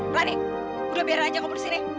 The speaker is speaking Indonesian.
rani udah biarin aja kamu di sini